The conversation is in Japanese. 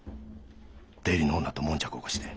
出入りの女と悶着を起こして。